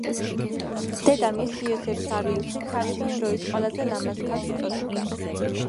დედამისს იოსებ ფლავიუსი „თავისი დროის ყველაზე ლამაზ ქალს“ უწოდებს.